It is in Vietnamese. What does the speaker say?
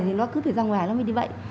thì nó cứ phải ra ngoài nó mới đi vậy